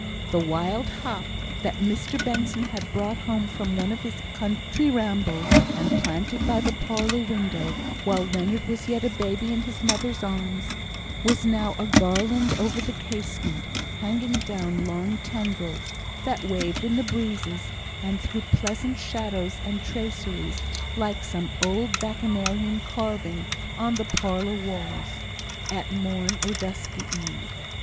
The wild hop, that Mr Benson had brought home from one of his country rambles, and planted by the parlour window, while Leonard was yet a baby in his mother's arms, was now a garland over the casement, hanging down long tendrils, that waved in the breezes, and threw pleasant shadows and traceries, like some Bacchanalian carving, on the parlour walls, at "morn or dusky eve."